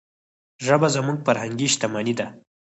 ژبه زموږ فرهنګي شتمني ده.